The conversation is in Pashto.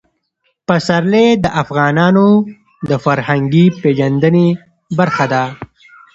پسرلی د افغانانو د فرهنګي پیژندنې برخه ده.